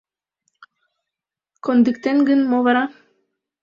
«Кондыктен гын, мо вара?